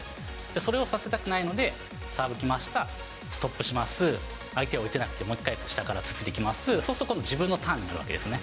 それをさせたくないので、サーブ来ました、ストップします、相手は打てなくてもう一回、下からつついてきます、そうすると今度、自分のターンが来るわけですね。